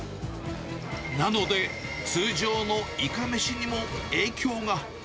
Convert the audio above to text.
なので、通常のいかめしにも影響が。